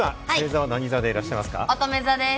おとめ座です。